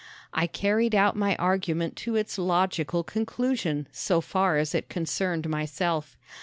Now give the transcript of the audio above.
I carried out my argument to its logical conclusion so far as it concerned myself.